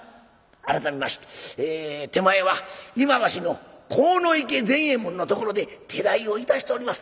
改めまして手前は今橋の鴻池善右衛門のところで手代をいたしております